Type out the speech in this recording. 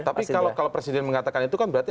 tapi kalau presiden mengatakan itu kan berarti